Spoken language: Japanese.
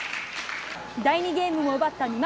第２ゲームも奪ったみま